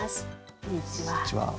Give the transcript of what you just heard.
こんにちは。